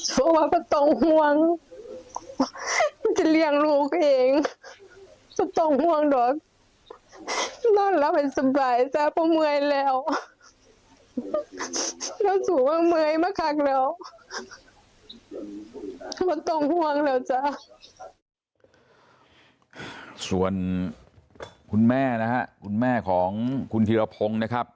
ส่วนคุณแม่นะฮะคุณแม่ของคุณธีรพงศ์นะครับ